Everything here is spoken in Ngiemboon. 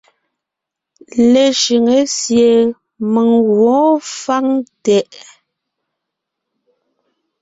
Leshʉŋé sie mèŋ gwǒon fáŋ tɛʼ.